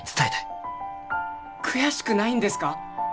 悔しくないんですか？